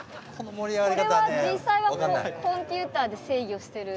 これは実際はコンピューターで制御してる。